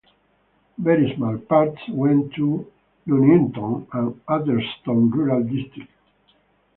Very small parts went to Nuneaton and Atherstone Rural District.